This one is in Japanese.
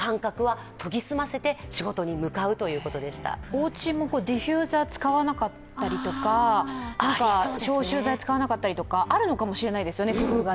おうちもディフューザー使わなかったりとか、消臭剤使わなかったりとか、工夫があるのかもしれないですね。